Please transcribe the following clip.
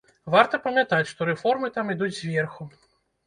Варта памятаць, што рэформы там ідуць зверху.